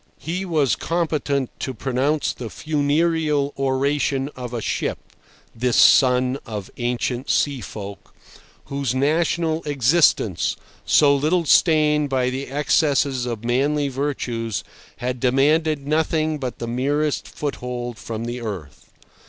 He was competent to pronounce the funereal oration of a ship, this son of ancient sea folk, whose national existence, so little stained by the excesses of manly virtues, had demanded nothing but the merest foothold from the earth.